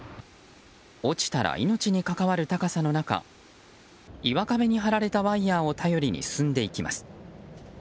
落ちたら命にかかわる高さの中岩壁に張られたワイヤを頼りに進んでいきます。